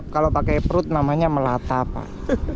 kalau pakai perut namanya melata pak